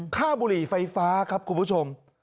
บุหรี่ไฟฟ้าครับคุณผู้ชม